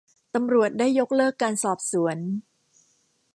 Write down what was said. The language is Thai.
ตำรวจได้ยกเลิกการสอบสวน